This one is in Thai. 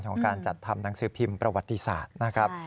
ของการจัดทำหนังสือพิมพ์ประวัติศาสตร์นะครับ